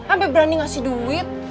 ampe berani ngasih duit